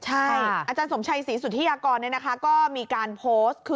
อาจารย์สมชัยศรีสุธิฆากรเนี่ยนะคะก็มีการโพสต์